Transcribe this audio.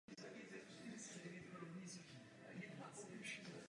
Držitel titulu zasloužilý umělec.